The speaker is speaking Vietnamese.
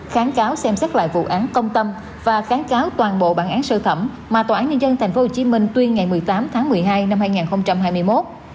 kháng cáo xem xét lại vụ án công tâm và kháng cáo toàn bộ bản án sơ thẩm mà tòa án nhân dân tp hcm tuyên ngày một mươi tám tháng một mươi hai năm hai nghìn hai mươi một